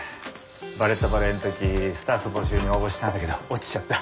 「バレット・バレエ」の時スタッフ募集に応募したんだけど落ちちゃった。